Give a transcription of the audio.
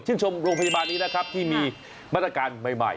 ชมโรงพยาบาลนี้นะครับที่มีมาตรการใหม่